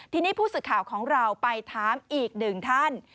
ทีนี้ผู้สื่อข่าวของเราไปถามอีกหนึ่งท่าน